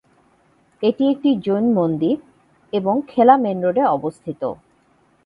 এটি একটি জৈন মন্দির এবং খেলা মেন রোডে অবস্থিত।